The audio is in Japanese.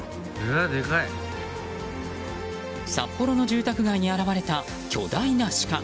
札幌の住宅街に現れた巨大なシカ。